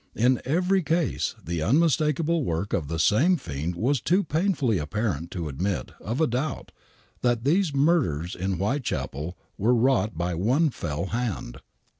In every case the unmistakable work of the same fiend was too painfully apparent to admit of a doubt that these murders in Whitechapel were wrought by one fell hand.